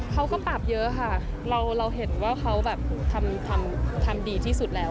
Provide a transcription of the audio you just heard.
เขาก็ปรับเยอะค่ะเราเห็นว่าเขาแบบทำดีที่สุดแล้ว